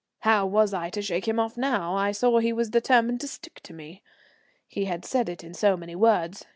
How was I to shake him off now I saw that he was determined to stick to me? He had said it in so many words.